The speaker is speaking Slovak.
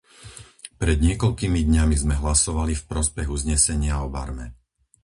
Pred niekoľkými dňami sme hlasovali v prospech uznesenia o Barme.